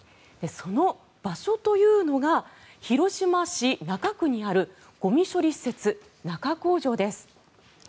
その場所というのが広島市中区にあるゴミ処理施設、中工場です。